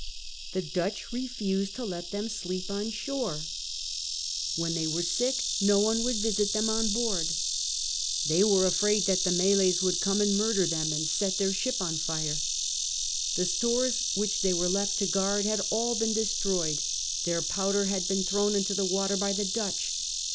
The Dutch refused to lot them sleep on shore. When V JFLM.S. FALMOUTH 6l thoy Avoro sick no one would visit them on board. They were afraid that the Malays Avould come and murder tliciii, and set their ship on fire. The stores Avliich they were left to guard had all been destroyed, their powder had been thrown into the water by the Dutch.